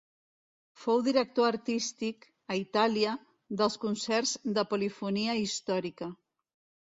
Fou director artístic, a Itàlia, dels concerts de polifonia històrica.